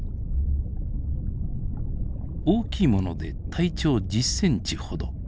大きいもので体長１０ｃｍほど。